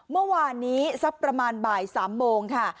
เมื่อวานนี้สักประมาณบ่าย๓โมงค่ะ